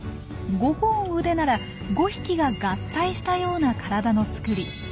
５本腕なら５匹が合体したような体のつくり。